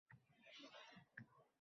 Har bir rassom ijodiy yo‘li shu.